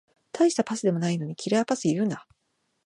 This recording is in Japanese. たいしたパスでもないのにキラーパス言うな